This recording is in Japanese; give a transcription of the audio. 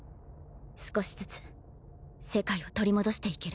少しずつ世界を取り戻していける。